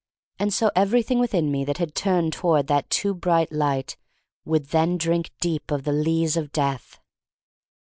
And so everything within me that had turned toward that too bright light would then drink deep of the lees of death.